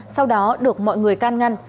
sau đó được mọi người can ngăn